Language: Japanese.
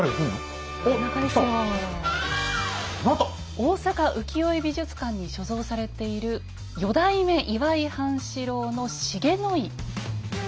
大阪浮世絵美術館に所蔵されている「四代目岩井半四郎の重の井」。